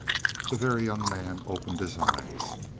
The Very Young Man opened his eyes.